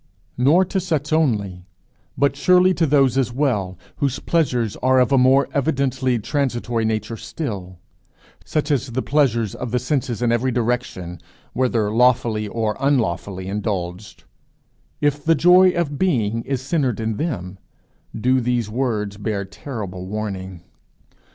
Nor to such only, but surely to those as well whose pleasures are of a more evidently transitory nature still, such as the pleasures of the senses in every direction whether lawfully or unlawfully indulged, if the joy of being is centred in them do these words bear terrible warning.